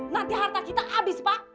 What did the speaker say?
nanti harta kita habis pak